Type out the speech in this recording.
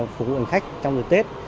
phục vụ ảnh khách trong dịp tết